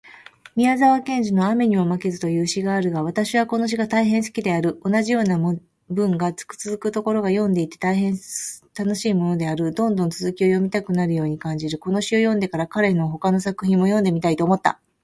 宮沢賢治のアメニモマケズという詩があるが私はこの詩が大変好きである。同じような文がつづくところが読んでいて大変楽しいものであり、どんどん続きを読みたくなるように感じる。この詩を読んでから、彼の他の作品も読んでみたいと思った。